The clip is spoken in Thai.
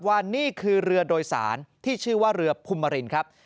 ว่านี่คือเรือโดยสารที่ชื่อว่าเรือพุมรินครับ